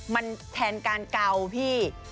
มันแทนการเกาพี่